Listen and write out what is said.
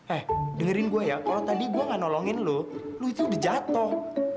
eh dengerin gue ya kalau tadi gue nggak nolongin lo lo itu udah jatoh